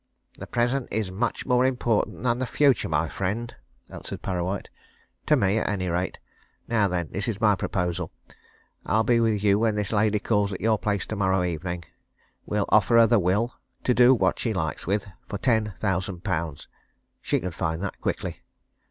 "The present is much more important than the future, my friend," answered Parrawhite. "To me, at any rate. Now, then, this is my proposal. I'll be with you when this lady calls at your place tomorrow evening. We'll offer her the will, to do what she likes with, for ten thousand pounds. She can find that quickly.